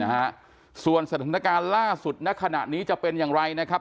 นะฮะส่วนสถานการณ์ล่าสุดณขณะนี้จะเป็นอย่างไรนะครับ